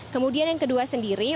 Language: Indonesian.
kemudian yang kedua sendiri